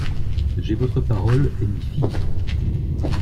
J'ai votre parole, et m'y fie.